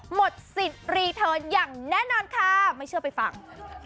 หมดสิทธิ์รีเทิร์นอย่างแน่นอนค่ะไม่เชื่อไปฟัง